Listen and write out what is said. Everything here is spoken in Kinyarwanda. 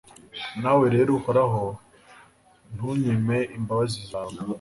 nawe rero, uhoraho, ntunyime imbabazi zawe